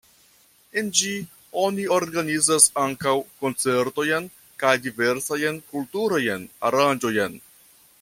En ĝi oni organizas ankaŭ koncertojn kaj diversajn kulturajn aranĝojn.